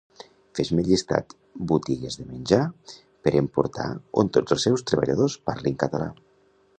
Fes-me llistat botigues de menjar per emportar on tots els seus treballadors parlin català